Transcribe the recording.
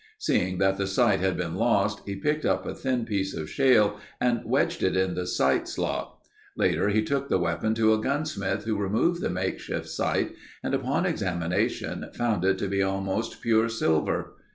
Seeing that the sight had been lost, he picked up a thin piece of shale and wedged it in the sight slot. Later he took the weapon to a gunsmith who removed the makeshift sight and upon examination found it to be almost pure silver.